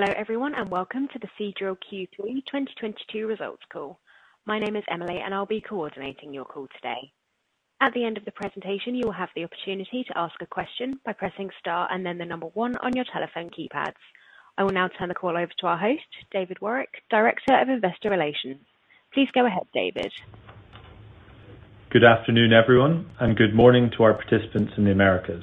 Hello everyone. Welcome to the Seadrill Q3 2022 results call. My name is Emily, and I'll be coordinating your call today. At the end of the presentation, you will have the opportunity to ask a question by pressing star and then the number one on your telephone keypads. I will now turn the call over to our host, David Warwick, Director of Investor Relations. Please go ahead, David. Good afternoon, everyone, and good morning to our participants in the Americas.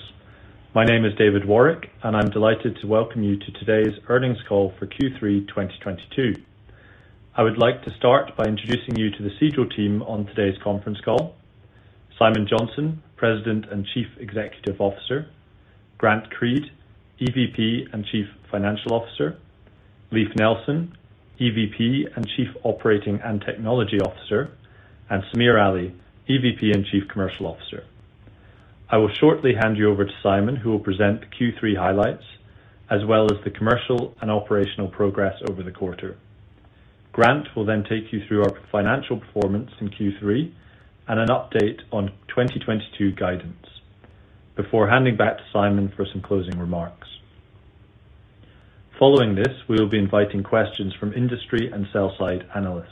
My name is David Warwick, and I'm delighted to welcome you to today's earnings call for Q3 2022. I would like to start by introducing you to the Seadrill team on today's conference call. Simon Johnson, President and Chief Executive Officer; Grant Creed, EVP and Chief Financial Officer; Leif Nelson, EVP and Chief Operating and Technology Officer; and Samir Ali, EVP and Chief Commercial Officer. I will shortly hand you over to Simon, who will present the Q3 highlights, as well as the commercial and operational progress over the quarter. Grant will then take you through our financial performance in Q3 and an update on 2022 guidance before handing back to Simon for some closing remarks. Following this, we will be inviting questions from industry and sell-side analysts.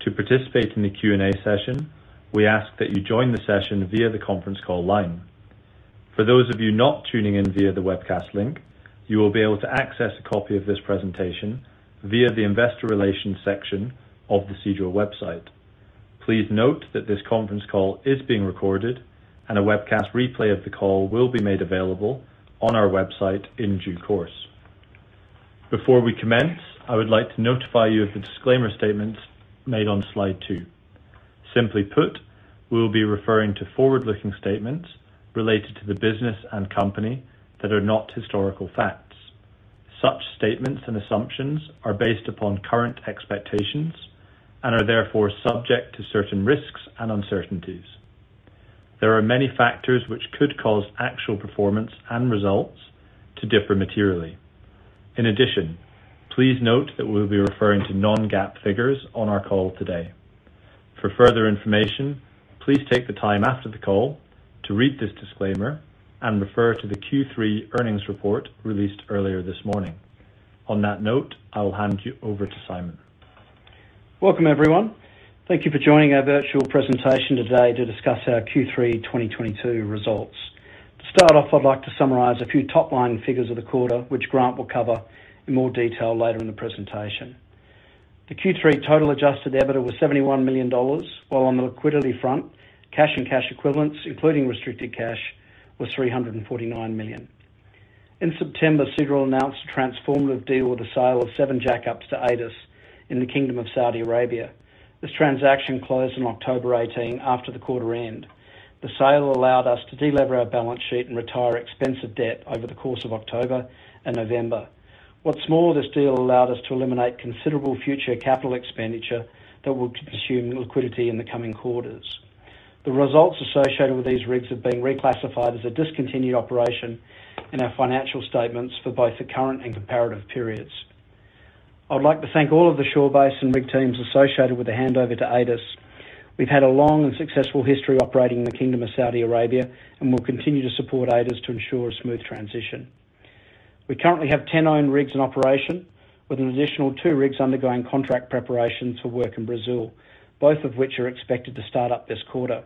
To participate in the Q&A session, we ask that you join the session via the conference call line. For those of you not tuning in via the webcast link, you will be able to access a copy of this presentation via the Investor Relations section of the Seadrill website. Please note that this conference call is being recorded and a webcast replay of the call will be made available on our website in due course. Before we commence, I would like to notify you of the disclaimer statements made on slide two. Simply put, we will be referring to forward-looking statements related to the business and company that are not historical facts. Such statements and assumptions are based upon current expectations and are therefore subject to certain risks and uncertainties. There are many factors which could cause actual performance and results to differ materially. In addition, please note that we'll be referring to non-GAAP figures on our call today. For further information, please take the time after the call to read this disclaimer and refer to the Q3 earnings report released earlier this morning. On that note, I will hand you over to Simon. Welcome, everyone. Thank you for joining our virtual presentation today to discuss our Q3 2022 results. To start off, I'd like to summarize a few top-line figures of the quarter, which Grant will cover in more detail later in the presentation. The Q3 total Adjusted EBITDA was $71 million, while on the liquidity front, cash and cash equivalents, including restricted cash, was $349 million. In September, Seadrill announced a transformative deal with the sale of seven jackups to ADES in the Kingdom of Saudi Arabia. This transaction closed on October 18 after the quarter end. The sale allowed us to delever our balance sheet and retire expensive debt over the course of October and November. What's more, this deal allowed us to eliminate considerable future capital expenditure that will consume liquidity in the coming quarters. The results associated with these rigs have been reclassified as a discontinued operation in our financial statements for both the current and comparative periods. I would like to thank all of the shore base and rig teams associated with the handover to ADES. We've had a long and successful history operating in the Kingdom of Saudi Arabia, and we'll continue to support ADES to ensure a smooth transition. We currently have 10 owned rigs in operation, with an additional two rigs undergoing contract preparation to work in Brazil, both of which are expected to start up this quarter.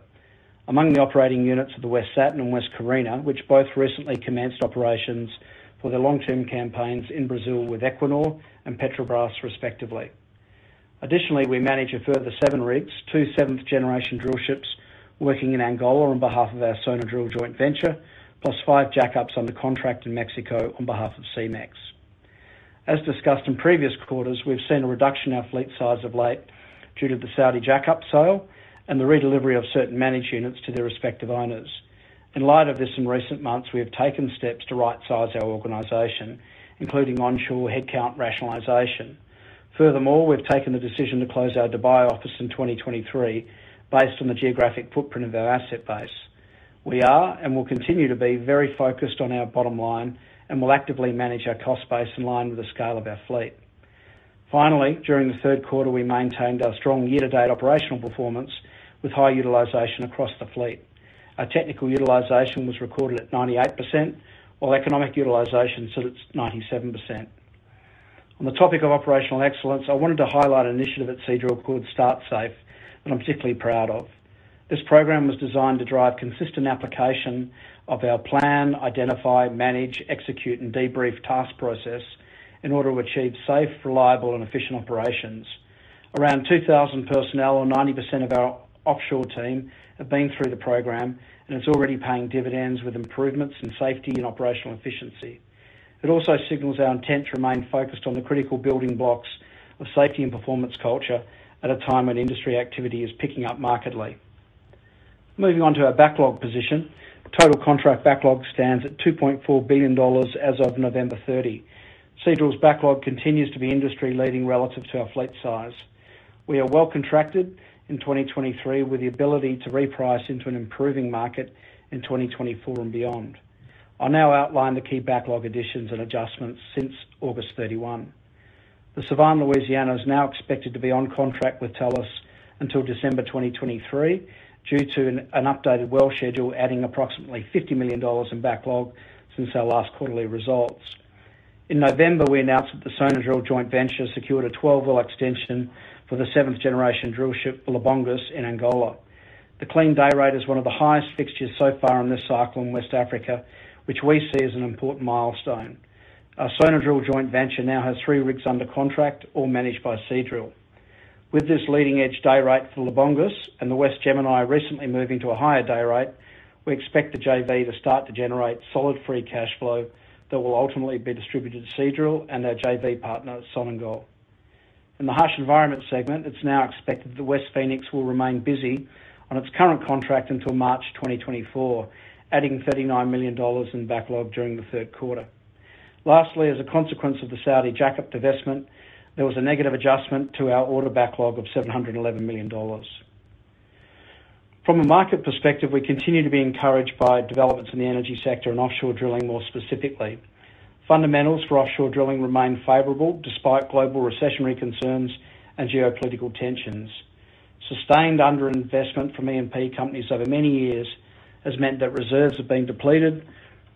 Among the operating units are the West Saturn and West Carina, which both recently commenced operations for their long-term campaigns in Brazil with Equinor and Petrobras respectively. Additionally, we manage a further seven rigs, two seventh-generation drillships working in Angola on behalf of our Sonadrill joint venture, plus five jackups under contract in Mexico on behalf of SeaMex. As discussed in previous quarters, we've seen a reduction in our fleet size of late due to the Saudi jackup sale and the redelivery of certain managed units to their respective owners. In light of this, in recent months, we have taken steps to right-size our organization, including onshore headcount rationalization. Furthermore, we've taken the decision to close our Dubai office in 2023 based on the geographic footprint of our asset base. We are and will continue to be very focused on our bottom line and will actively manage our cost base in line with the scale of our fleet. Finally, during the third quarter, we maintained our strong year-to-date operational performance with high utilization across the fleet. Our technical utilization was recorded at 98%, while economic utilization stood at 97%. On the topic of operational excellence, I wanted to highlight an initiative at Seadrill called Start Safe that I'm particularly proud of. This program was designed to drive consistent application of our plan, identify, manage, execute, and debrief task process in order to achieve safe, reliable, and efficient operations. Around 2,000 personnel or 90% of our offshore team have been through the program, and it's already paying dividends with improvements in safety and operational efficiency. It also signals our intent to remain focused on the critical building blocks of safety and performance culture at a time when industry activity is picking up markedly. Moving on to our backlog position. Total contract backlog stands at $2.4 billion as of November 30. Seadrill's backlog continues to be industry-leading relative to our fleet size. We are well contracted in 2023, with the ability to reprice into an improving market in 2024 and beyond. I'll now outline the key backlog additions and adjustments since August 31. The Sevan Louisiana is now expected to be on contract with Talos Energy until December 2023 due to an updated well schedule, adding approximately $50 million in backlog since our last quarterly results. In November, we announced that the Sonadrill joint venture secured a 12 well extension for the seventh-generation drillship, Libongos, in Angola. The clean day rate is one of the highest fixtures so far in this cycle in West Africa, which we see as an important milestone. Our Sonadrill joint venture now has three rigs under contract, all managed by Seadrill. With this leading edge day rate for Libongos and the West Gemini recently moving to a higher day rate, we expect the JV to start to generate solid free cash flow that will ultimately be distributed to Seadrill and our JV partner, Sonangol. In the harsh environment segment, it's now expected that the West Phoenix will remain busy on its current contract until March 2024, adding $39 million in backlog during the third quarter. Lastly, as a consequence of the Saudi jackup divestment, there was a negative adjustment to our order backlog of $711 million. From a market perspective, we continue to be encouraged by developments in the energy sector and offshore drilling more specifically. Fundamentals for offshore drilling remain favorable despite global recessionary concerns and geopolitical tensions. Sustained underinvestment from E&P companies over many years has meant that reserves have been depleted,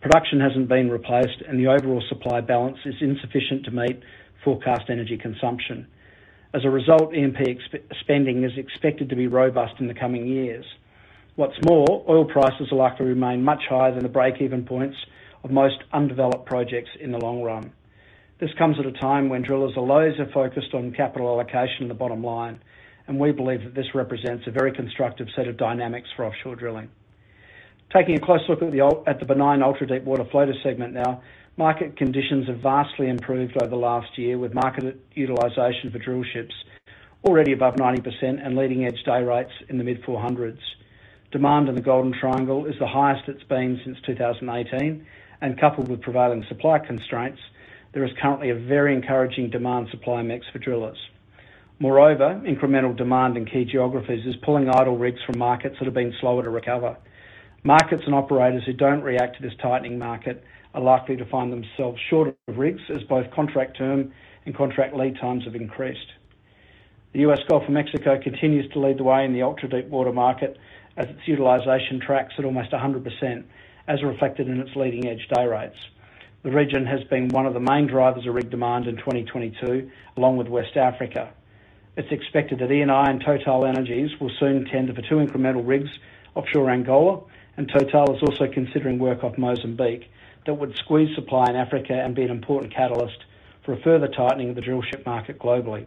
production hasn't been replaced, and the overall supply balance is insufficient to meet forecast energy consumption. As a result, E&P spending is expected to be robust in the coming years. What's more, oil prices are likely to remain much higher than the break-even points of most undeveloped projects in the long run. This comes at a time when drillers are laser focused on capital allocation and the bottom line, and we believe that this represents a very constructive set of dynamics for offshore drilling. Taking a close look at the benign ultra-deepwater floater segment now, market conditions have vastly improved over the last year, with market utilization for drillships already above 90% and leading edge day rates in the mid $400s. Demand in the Golden Triangle is the highest it's been since 2018, and coupled with prevailing supply constraints, there is currently a very encouraging demand supply mix for drillers. Moreover, incremental demand in key geographies is pulling idle rigs from markets that have been slower to recover. Markets and operators who don't react to this tightening market are likely to find themselves short of rigs as both contract term and contract lead times have increased. The U.S. Gulf of Mexico continues to lead the way in the ultra-deepwater market as its utilization tracks at almost 100%, as reflected in its leading edge day rates. The region has been one of the main drivers of rig demand in 2022, along with West Africa. It's expected that Eni and TotalEnergies will soon tender for two incremental rigs offshore Angola, and TotalEnergies is also considering work off Mozambique that would squeeze supply in Africa and be an important catalyst for a further tightening of the drillship market globally.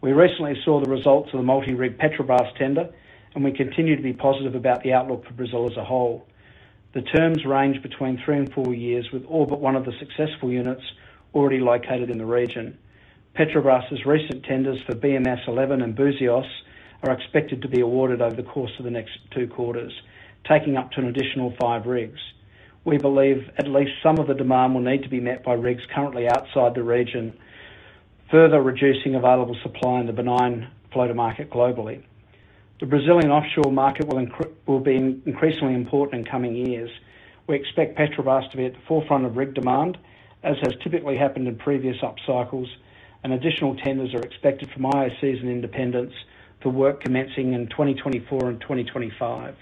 We recently saw the results of the multi-rig Petrobras tender, and we continue to be positive about the outlook for Brazil as a whole. The terms range between three and four years, with all but one of the successful units already located in the region. Petrobras' recent tenders for BM-S-11 and Buzios are expected to be awarded over the course of the next two quarters, taking up to an additional five rigs. We believe at least some of the demand will need to be met by rigs currently outside the region, further reducing available supply in the benign floater market globally. The Brazilian offshore market will be increasingly important in coming years. We expect Petrobras to be at the forefront of rig demand, as has typically happened in previous upcycles. Additional tenders are expected from IOCs and independents for work commencing in 2024 and 2025.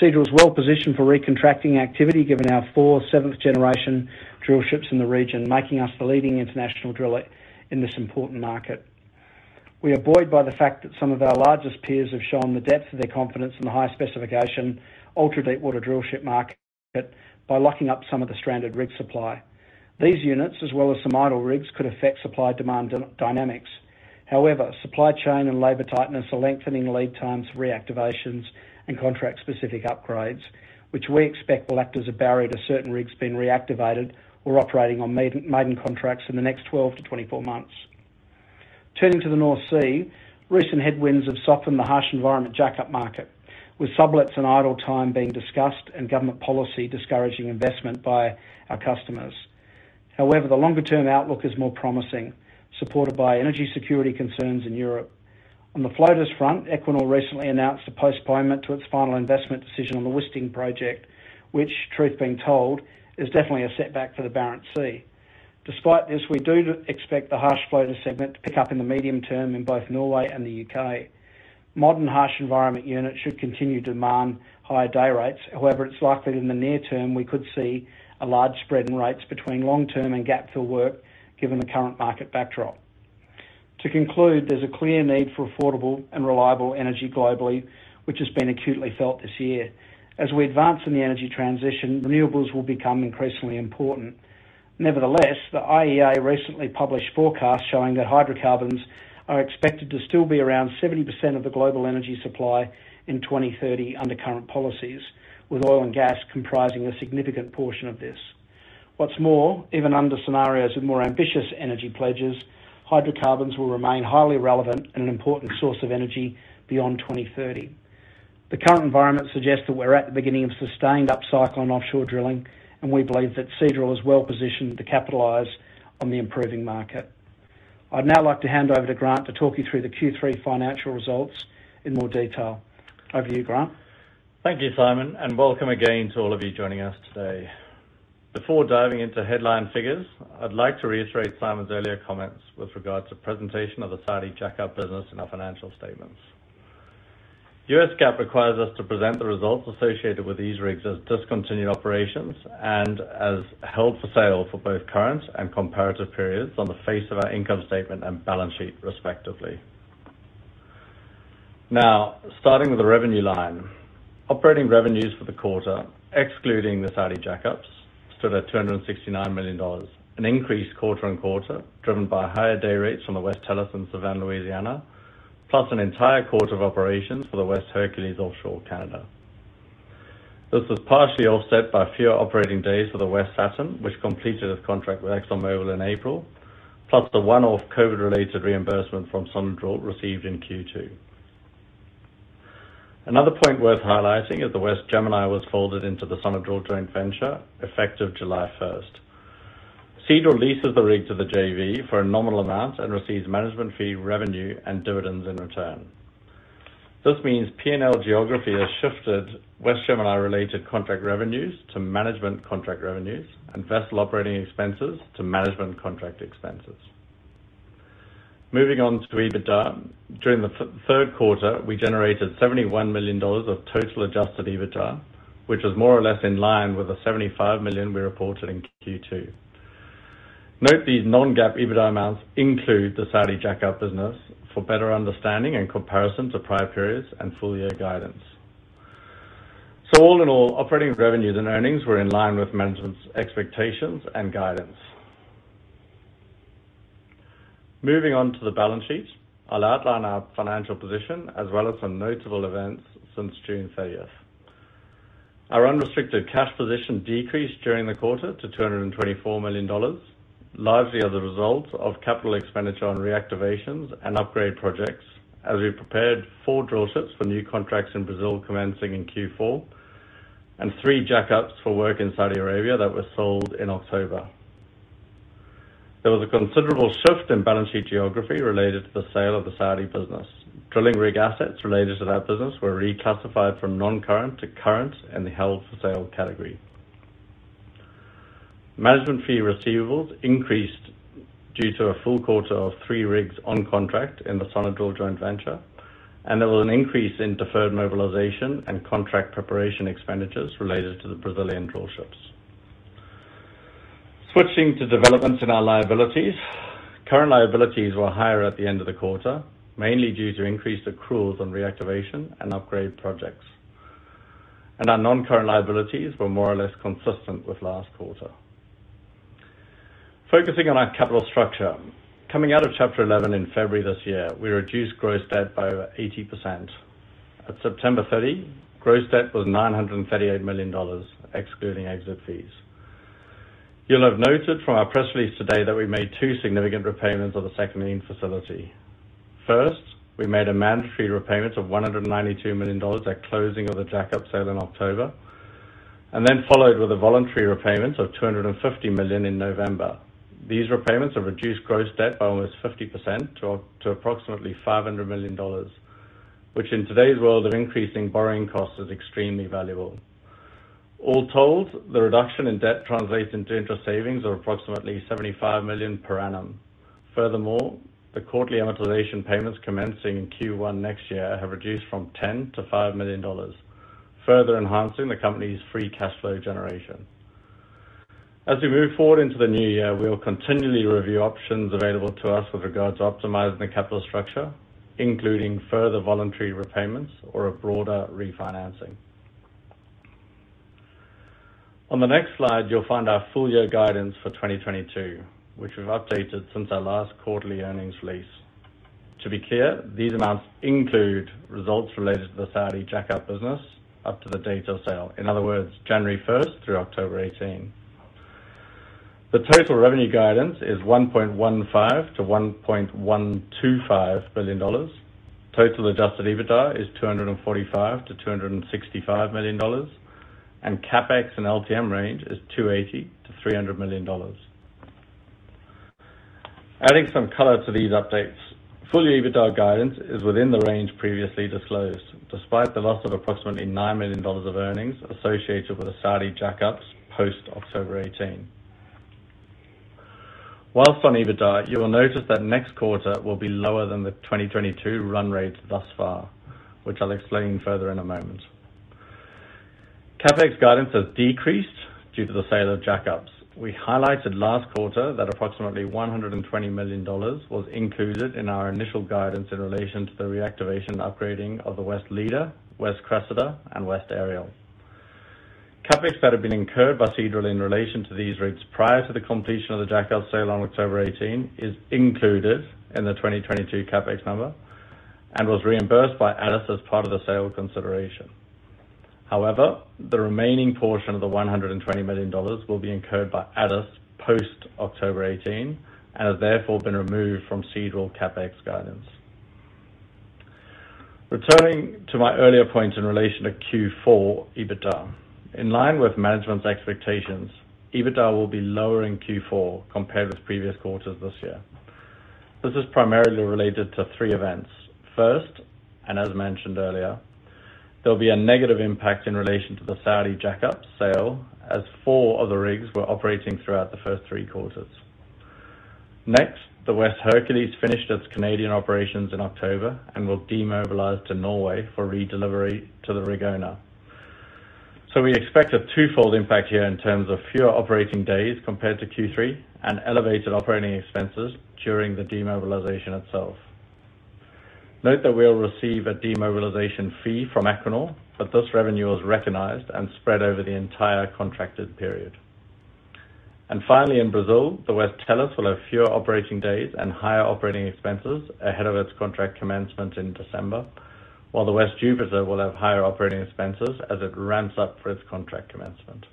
Seadrill is well positioned for recontracting activity given our four seventh-generation drillships in the region, making us the leading international driller in this important market. We are buoyed by the fact that some of our largest peers have shown the depth of their confidence in the high specification ultra-deepwater drillship market by locking up some of the stranded rig supply. These units, as well as some idle rigs, could affect supply demand dynamics. Supply chain and labor tightness are lengthening lead times for reactivations and contract specific upgrades, which we expect will act as a barrier to certain rigs being reactivated or operating on maiden contracts in the next 12-24 months. Turning to the North Sea, recent headwinds have softened the harsh environment jackup market, with sublets and idle time being discussed and government policy discouraging investment by our customers. The longer-term outlook is more promising, supported by energy security concerns in Europe. On the floaters front, Equinor recently announced a postponement to its final investment decision on the Wisting project, which, truth being told, is definitely a setback for the Barents Sea. Despite this, we do expect the harsh floater segment to pick up in the medium term in both Norway and the U.K. Modern harsh environment units should continue to demand higher day rates. It's likely that in the near term, we could see a large spread in rates between long-term and gap to work given the current market backdrop. To conclude, there's a clear need for affordable and reliable energy globally, which has been acutely felt this year. As we advance in the energy transition, renewables will become increasingly important. The IEA recently published forecasts showing that hydrocarbons are expected to still be around 70% of the global energy supply in 2030 under current policies, with oil and gas comprising a significant portion of this. Even under scenarios with more ambitious energy pledges, hydrocarbons will remain highly relevant and an important source of energy beyond 2030. The current environment suggests that we're at the beginning of sustained upcycle and offshore drilling, and we believe that Seadrill is well positioned to capitalize on the improving market. I'd now like to hand over to Grant to talk you through the Q3 financial results in more detail. Over to you, Grant. Thank you, Simon. Welcome again to all of you joining us today. Before diving into headline figures, I'd like to reiterate Simon's earlier comments with regards to presentation of the Saudi jackup business in our financial statements. U.S. GAAP requires us to present the results associated with these rigs as discontinued operations and as held for sale for both current and comparative periods on the face of our income statement and balance sheet, respectively. Now, starting with the revenue line. Operating revenues for the quarter, excluding the Saudi jackups, stood at $269 million, an increase quarter-on-quarter, driven by higher day rates from the West Tellus and Sevan Louisiana, plus an entire quarter of operations for the West Hercules offshore Canada. This was partially offset by fewer operating days for the West Saturn, which completed its contract with ExxonMobil in April, plus the one-off COVID-related reimbursement from Sonadrill received in Q2. Another point worth highlighting is the West Gemini was folded into the Sonadrill joint venture effective July first. Seadrill leases the rig to the JV for a nominal amount and receives management fee revenue and dividends in return. This means P&L geography has shifted West Gemini-related contract revenues to management contract revenues and vessel operating expenses to management contract expenses. Moving on to EBITDA. During the third quarter, we generated $71 million of total Adjusted EBITDA, which is more or less in line with the $75 million we reported in Q2. Note these non-GAAP EBITDA amounts include the Saudi jackup business for better understanding and comparison to prior periods and full year guidance. All in all, operating revenues and earnings were in line with management's expectations and guidance. Moving on to the balance sheet. I'll outline our financial position as well as some notable events since June 30th. Our unrestricted cash position decreased during the quarter to $224 million, largely as a result of capital expenditure on reactivations and upgrade projects as we prepared four drill ships for new contracts in Brazil commencing in Q4 and three jackups for work in Saudi Arabia that were sold in October. There was a considerable shift in balance sheet geography related to the sale of the Saudi business. Drilling rig assets related to that business were reclassified from non-current to current and held for sale category. Management fee receivables increased due to a full quarter of three rigs on contract in the Sonadrill joint venture, and there was an increase in deferred mobilization and contract preparation expenditures related to the Brazilian drill ships. Switching to developments in our liabilities. Current liabilities were higher at the end of the quarter, mainly due to increased accruals on reactivation and upgrade projects. Our non-current liabilities were more or less consistent with last quarter. Focusing on our capital structure. Coming out of chapter 11 in February this year, we reduced gross debt by over 80%. At September 30, gross debt was $938 million, excluding exit fees. You'll have noted from our press release today that we made two significant repayments of the second lien facility. First, we made a mandatory repayment of $192 million at closing of the jackup sale in October, and then followed with a voluntary repayment of $250 million in November. These repayments have reduced gross debt by almost 50% to approximately $500 million, which in today's world of increasing borrowing costs is extremely valuable. All told, the reduction in debt translates into interest savings of approximately $75 million per annum. Furthermore, the quarterly amortization payments commencing in Q1 next year have reduced from $10 million-$5 million, further enhancing the company's free cash flow generation. As we move forward into the new year, we will continually review options available to us with regards to optimizing the capital structure, including further voluntary repayments or a broader refinancing. On the next slide, you'll find our full year guidance for 2022, which we've updated since our last quarterly earnings release. To be clear, these amounts include results related to the Saudi jackup business up to the date of sale. In other words, January 1st through October 18. The total revenue guidance is $1.15 billion-$1.125 billion. Total Adjusted EBITDA is $245 million-$265 million, and CapEx and LTM range is $280 million-$300 million. Adding some color to these updates. Full year EBITDA guidance is within the range previously disclosed, despite the loss of approximately $9 million of earnings associated with the Saudi jackups post-October 18. Whilst on EBITDA, you will notice that next quarter will be lower than the 2022 run rates thus far, which I'll explain further in a moment. CapEx guidance has decreased due to the sale of jackups. We highlighted last quarter that approximately $120 million was included in our initial guidance in relation to the reactivation upgrading of the West Leda, West Cressida, and West Ariel. CapEx that had been incurred by Seadrill in relation to these rigs prior to the completion of the jackup sale on October 18 is included in the 2022 CapEx number and was reimbursed by ADES as part of the sale consideration. The remaining portion of the $120 million will be incurred by ADES post-October 18 and has therefore been removed from Seadrill CapEx guidance. Returning to my earlier point in relation to Q4 EBITDA. In line with management's expectations, EBITDA will be lower in Q4 compared with previous quarters this year. This is primarily related to three events. First, and as mentioned earlier, there'll be a negative impact in relation to the Saudi jackup sale, as four of the rigs were operating throughout the first three quarters. Next, the West Hercules finished its Canadian operations in October and will demobilize to Norway for redelivery to the rig owner. We expect a twofold impact here in terms of fewer operating days compared to Q3 and elevated operating expenses during the demobilization itself. Note that we'll receive a demobilization fee from Equinor, but this revenue is recognized and spread over the entire contracted period. Finally, in Brazil, the West Tellus will have fewer operating days and higher operating expenses ahead of its contract commencement in December, while the West Jupiter will have higher operating expenses as it ramps up for its contract commencement.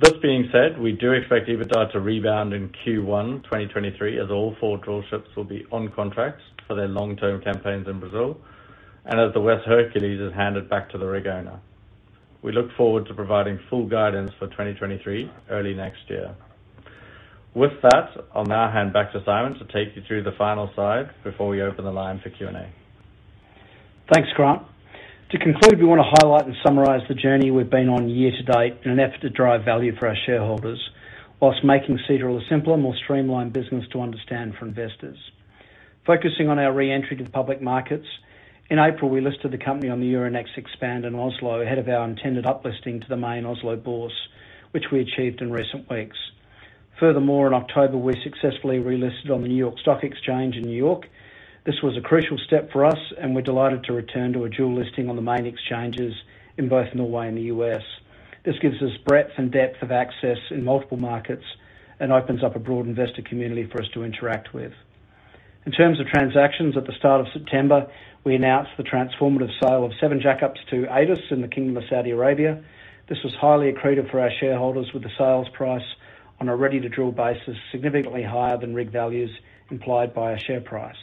This being said, we do expect EBITDA to rebound in Q1 2023, as all four drillships will be on contracts for their long-term campaigns in Brazil, and as the West Hercules is handed back to the rig owner. We look forward to providing full guidance for 2023 early next year. With that, I'll now hand back to Simon to take you through the final slide before we open the line for Q&A. Thanks, Grant. To conclude, we wanna highlight and summarize the journey we've been on year-to-date in an effort to drive value for our shareholders whilst making Seadrill a simpler, more streamlined business to understand for investors. Focusing on our re-entry to the public markets, in April, we listed the company on the Euronext Expand in Oslo, ahead of our intended uplisting to the main Oslo Børs, which we achieved in recent weeks. Furthermore, in October, we successfully relisted on the New York Stock Exchange in New York. This was a crucial step for us, and we're delighted to return to a dual listing on the main exchanges in both Norway and the U.S. This gives us breadth and depth of access in multiple markets and opens up a broad investor community for us to interact with. In terms of transactions, at the start of September, we announced the transformative sale of seven jackups to ADES in the Kingdom of Saudi Arabia. This was highly accretive for our shareholders with the sales price on a ready-to-drill basis, significantly higher than rig values implied by a share price.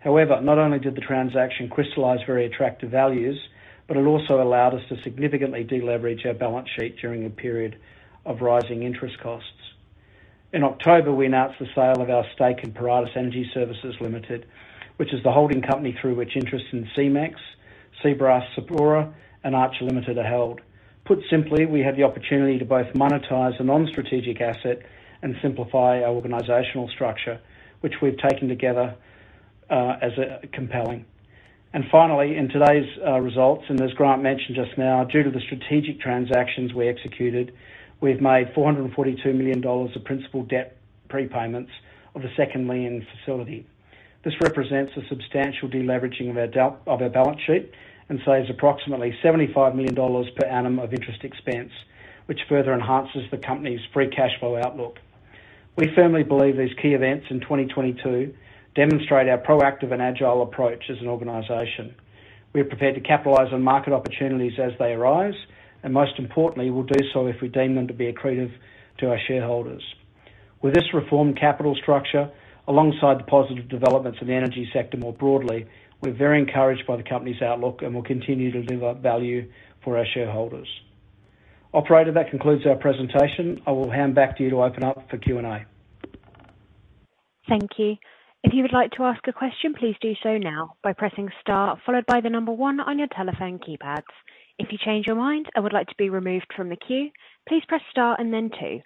However, not only did the transaction crystallize very attractive values, but it also allowed us to significantly deleverage our balance sheet during a period of rising interest costs. In October, we announced the sale of our stake in Paratus Energy Services Limited, which is the holding company through which interest in SeaMex, Seabras Sapura, and Archer Limited are held. Put simply, we have the opportunity to both monetize a non-strategic asset and simplify our organizational structure, which we've taken together as compelling. Finally, in today's results, and as Grant mentioned just now, due to the strategic transactions we executed, we've made $442 million of principal debt prepayments of the second lien facility. This represents a substantial deleveraging of our of our balance sheet and saves approximately $75 million per annum of interest expense, which further enhances the company's free cash flow outlook. We firmly believe these key events in 2022 demonstrate our proactive and agile approach as an organization. We are prepared to capitalize on market opportunities as they arise, and most importantly, we'll do so if we deem them to be accretive to our shareholders. With this reformed capital structure, alongside the positive developments in the energy sector more broadly, we're very encouraged by the company's outlook and will continue to deliver value for our shareholders. Operator, that concludes our presentation. I will hand back to you to open up for Q&A. Thank you. If you would like to ask a question, please do so now by pressing star followed by one on your telephone keypads. If you change your mind and would like to be removed from the queue, please press star and then two.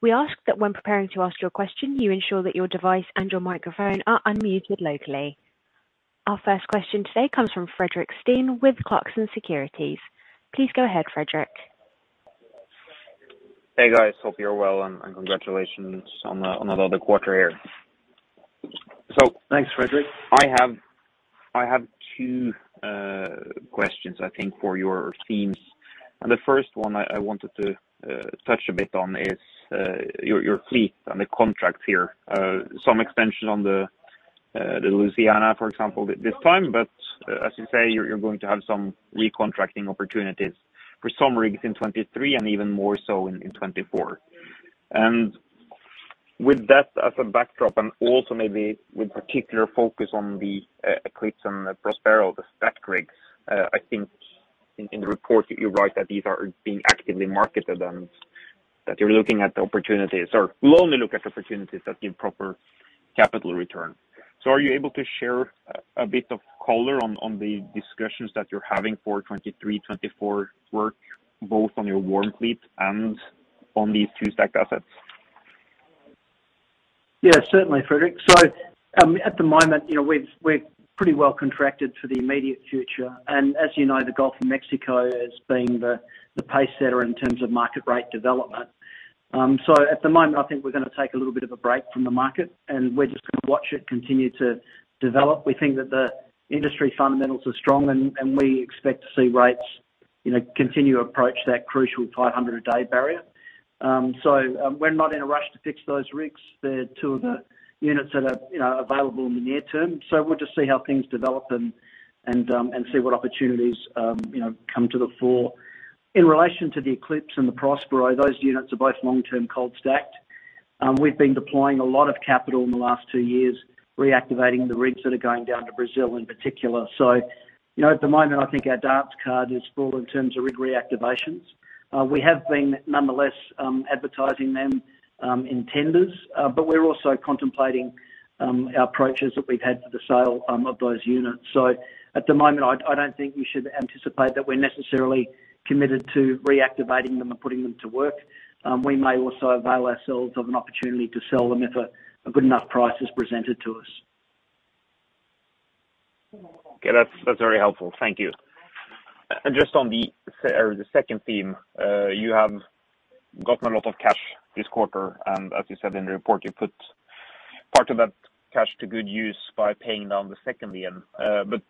We ask that when preparing to ask your question, you ensure that your device and your microphone are unmuted locally. Our first question today comes from Fredrik Stene with Clarkson Securities. Please go ahead, Fredrik. Hey, guys. Hope you're well, and congratulations on another quarter here. Thanks, Fredrik. I have two questions, I think, for your teams. The first one I wanted to touch a bit on is your fleet and the contracts here. Some extension on the Louisiana, for example, this time, but as you say, you're going to have some recontracting opportunities for some rigs in 2023 and even more so in 2024. With that as a backdrop, and also maybe with particular focus on the West Eclipse and the Prospero, the stacked rigs, I think in the report you write that these are being actively marketed and that you're looking at the opportunities, or will only look at opportunities that give proper capital return. Are you able to share a bit of color on the discussions that you're having for 2023, 2024 work, both on your warm fleet and on these two stacked assets? Yeah, certainly, Fredrik. At the moment, you know, we're pretty well contracted for the immediate future. As you know, the Gulf of Mexico has been the pacesetter in terms of market rate development. At the moment, I think we're gonna take a little bit of a break from the market, and we're just gonna watch it continue to develop. We think that the industry fundamentals are strong and we expect to see rates, you know, continue to approach that crucial $500 a day barrier. We're not in a rush to fix those rigs. They're two of the units that are, you know, available in the near term. We'll just see how things develop and see what opportunities, you know, come to the fore. In relation to the Eclipse and the Prospero, those units are both long-term cold stacked. We've been deploying a lot of capital in the last two years. Reactivating the rigs that are going down to Brazil in particular. You know, at the moment, I think our dance card is full in terms of rig reactivations. We have been nonetheless, advertising them in tenders, but we're also contemplating approaches that we've had for the sale of those units. At the moment, I don't think you should anticipate that we're necessarily committed to reactivating them and putting them to work. We may also avail ourselves of an opportunity to sell them if a good enough price is presented to us. Okay. That's very helpful. Thank you. Just on the second theme. You have gotten a lot of cash this quarter, and as you said in the report, you put part of that cash to good use by paying down the second lien. But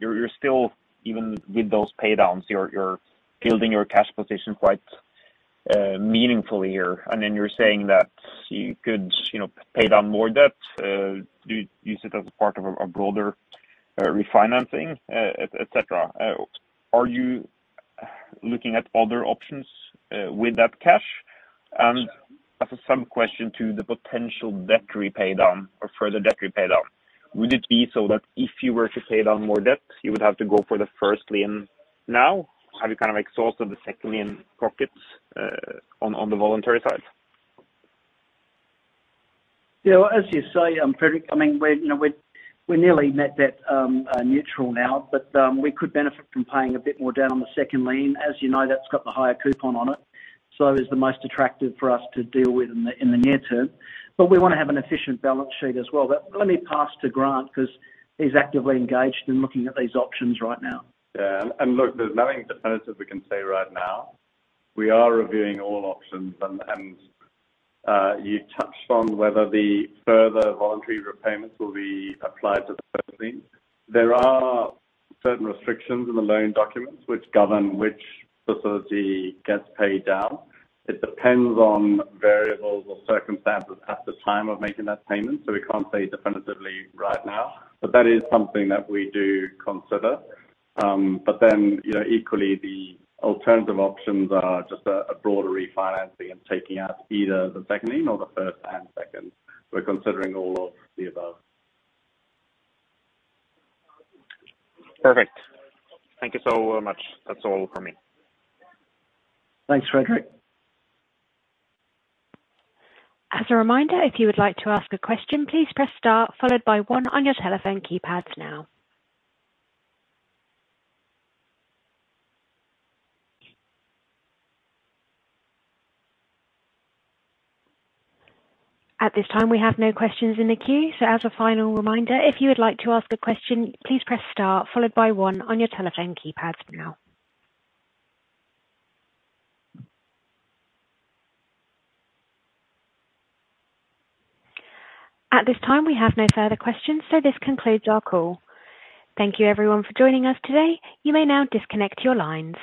you're still, even with those paydowns, you're building your cash position quite meaningfully here. You're saying that you could, you know, pay down more debt, do use it as a part of a broader refinancing, et cetera. Are you looking at other options with that cash? As a sub question to the potential debt repay down or further debt repay down, would it be so that if you were to pay down more debt, you would have to go for the first lien now? Have you kind of exhausted the second lien pockets on the voluntary side? Yeah, as you say, Fredrik, I mean, we're, you know, we're nearly net debt neutral now, but we could benefit from paying a bit more down on the second lien. As you know, that's got the higher coupon on it, so is the most attractive for us to deal with in the near term. We wanna have an efficient balance sheet as well. Let me pass to Grant 'cause he's actively engaged in looking at these options right now. Yeah. Look, there's nothing definitive we can say right now. We are reviewing all options and you touched on whether the further voluntary repayments will be applied to the first lien. There are certain restrictions in the loan documents which govern which facility gets paid down. It depends on variables or circumstances at the time of making that payment, so we can't say definitively right now. That is something that we do consider. you know, equally the alternative options are just a broader refinancing and taking out either the second lien or the first and second. We're considering all of the above. Perfect. Thank you so much. That's all from me. Thanks, Fredrik. As a reminder, if you would like to ask a question, please press star followed by one on your telephone keypads now. At this time, we have no questions in the queue. As a final reminder, if you would like to ask a question, please press star followed by one on your telephone keypads now. At this time, we have no further questions, so this concludes our call. Thank you everyone for joining us today. You may now disconnect your lines.